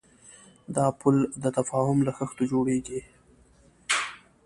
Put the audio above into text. دا پُل د تفاهم له خښتو جوړېږي.